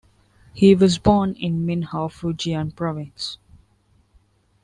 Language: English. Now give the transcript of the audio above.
He was born in Minhou, Fujian province.